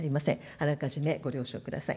あらかじめご了承ください。